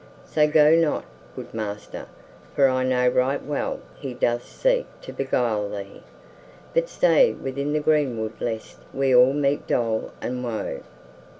So go not, good master, for I know right well he doth seek to beguile thee, but stay within the greenwood lest we all meet dole and woe."